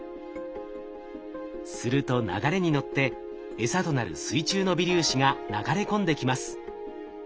すると流れに乗ってエサとなる水中の微粒子が流れ込んできます。